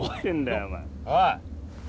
おい。